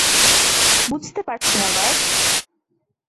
বুঝতে পারছি না, বার্ট।